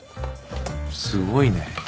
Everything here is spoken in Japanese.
すごいね。